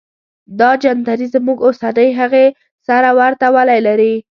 دا جنتري زموږ اوسنۍ هغې سره ورته والی لري.